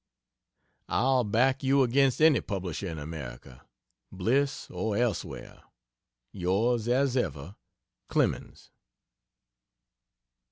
I'll back you against any publisher in America, Bliss or elsewhere. Yrs as ever CLEMENS.